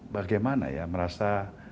bagaimana ya merasa